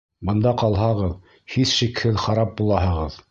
Бында ҡалһағыҙ, һис шикһеҙ харап булаһығыҙ!